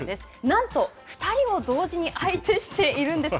なんと２人を同時に相手しているんです。